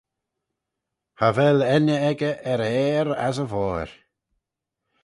Cha vel enney echey er e ayr as e voir.